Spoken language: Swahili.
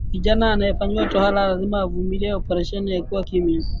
Kijana anaefanyiwa tohara lazima avumilie oparesheni akiwa kimya